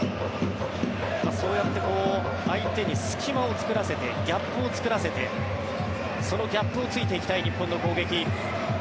そうやって相手に隙間を作らせてギャップを作らせてそのギャップを突いていきたい日本の攻撃。